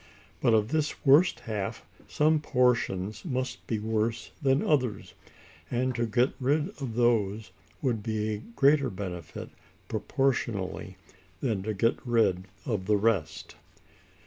But of this worst half some portions must be worse than others, and to get rid of those would be a greater benefit proportionally than to get rid of the rest.